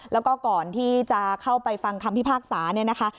แล้วก็ก่อนที่จะเข้าไปฟังคำพิพากษาเนี่ยนะคะ